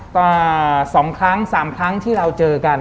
ต่อ๒ครั้ง๓ครั้งที่เราเจอกัน